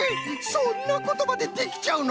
そんなことまでできちゃうの！